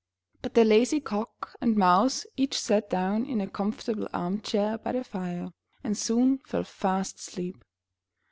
But the lazy Cock and Mouse each sat down in a comfortable arm chair by the fire, and soon fell fast asleep.